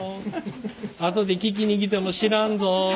後で聞きに来ても知らんぞ。